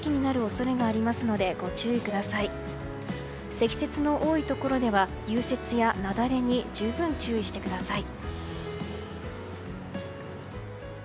積雪の多いところでは融雪や雪崩に十分注意してください。